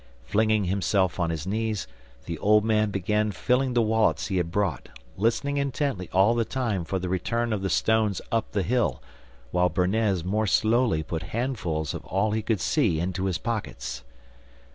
Flinging himself on his knees, the old man began filling the wallets he had brought, listening intently all the time for the return of the stones up the hill, while Bernez more slowly put handfuls of all he could see into his pockets.